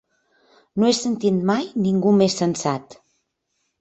"No he sentit mai ningú més sensat..."